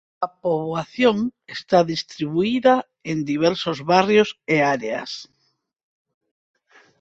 A poboación está distribuída en diversos barrios e áreas.